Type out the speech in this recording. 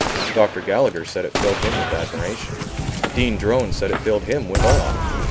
Dr. Gallagher said it filled him with admiration. Dean Drone said it filled him with awe.